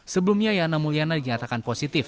sebelumnya yana mulyana dinyatakan positif